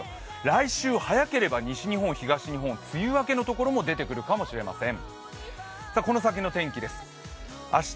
来週早ければ西日本、東日本梅雨明けのところも出てくるかもしれません。